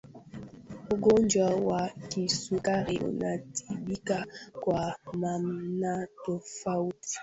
ugonjwa wa kisukari unatibika kwa namna tofauti